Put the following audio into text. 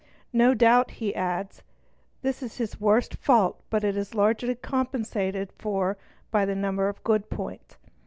no doubt, he adds, this is his worst fault but it is largely compensated for by a number of good points.